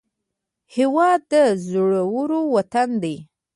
هېواد د زړورو وطن دی